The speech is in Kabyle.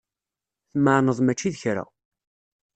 Tmeɛneḍ mačči d kra.